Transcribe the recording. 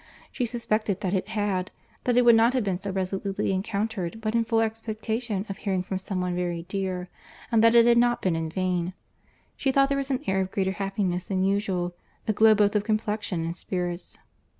She suspected that it had; that it would not have been so resolutely encountered but in full expectation of hearing from some one very dear, and that it had not been in vain. She thought there was an air of greater happiness than usual—a glow both of complexion and spirits.